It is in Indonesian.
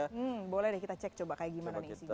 hmm boleh deh kita cek coba kayak gimana nih isinya